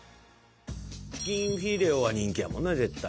チキンフィレオは人気やもんな絶対。